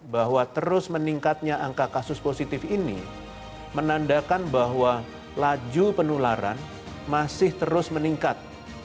bahwa terus meningkatnya angka kasus positif ini menandakan bahwa laju penularan masih terus meningkat